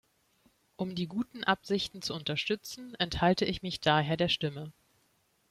Um die guten Absichten zu unterstützen, enthalte ich mich daher der Stimme.